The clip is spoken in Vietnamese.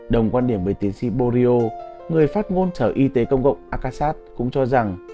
đồng quan điểm với tiến sĩ borio người phát ngôn sở y tế công cộng akasat cũng cho rằng